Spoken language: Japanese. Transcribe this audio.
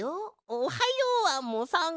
おはようアンモさん。